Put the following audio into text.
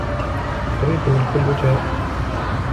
تقريبا الكل جاء